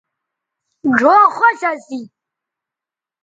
ڙھؤ خوش اسی